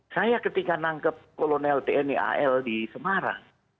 saya ketika nangkep kolonel tni al di semarang